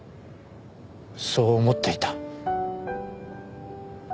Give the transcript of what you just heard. そう思っていた。